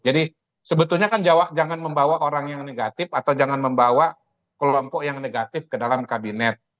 jadi sebetulnya kan jawa jangan membawa orang yang negatif atau jangan membawa kelompok yang negatif ke dalam kabinet